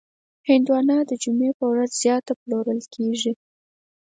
هندوانه د جمعې په ورځ زیات پلورل کېږي.